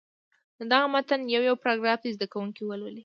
د دغه متن یو یو پاراګراف دې زده کوونکي ولولي.